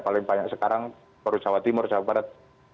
paling banyak sekarang baru jawa timur jawa barat